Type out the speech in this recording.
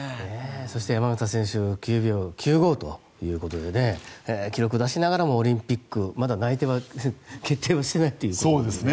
そして山縣選手９秒９５ということで記録を出しながらもオリンピックのまだ内定決定はしていないという。